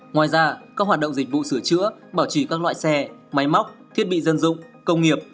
ngoài ra các hoạt động dịch vụ sửa chữa bảo trì các loại xe máy móc thiết bị dân dụng công nghiệp